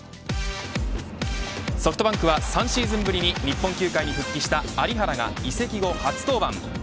ソフトバンクは３シーズンぶりに日本球界に復帰した有原が移籍後初登板。